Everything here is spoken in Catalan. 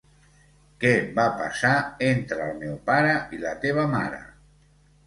Què va passar entre el meu pare i la teva mare?